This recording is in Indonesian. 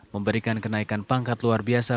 memberikan kenaikan pangkat luar biasa